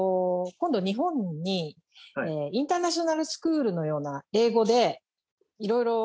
今度日本にインターナショナルスクールのような。